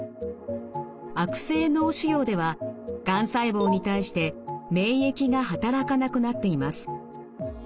悪性脳腫瘍ではがん細胞に対して免疫が働かなくなっています。